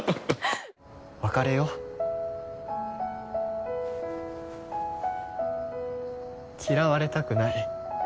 「別れよう」「嫌われたくない。